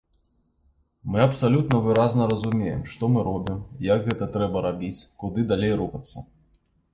Мы абсалютна выразна разумеем, што мы робім, як гэта трэба рабіць, куды далей рухацца.